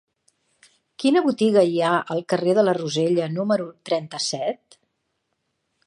Quina botiga hi ha al carrer de la Rosella número trenta-set?